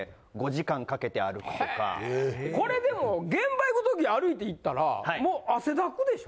これでも現場行く時歩いて行ったらもう汗だくでしょ？